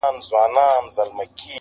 مقرر سوه دواړه سم یوه شعبه کي-